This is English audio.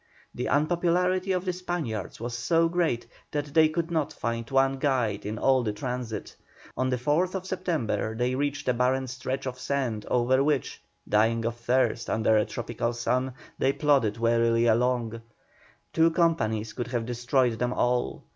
The unpopularity of the Spaniards was so great that they could not find one guide in all the transit. On the 4th September they reached a barren stretch of sand over which, dying of thirst under a tropical sun, they plodded wearily along; two companies could have destroyed them all.